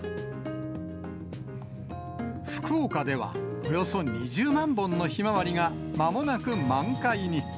福岡では、およそ２０万本のひまわりが、まもなく満開に。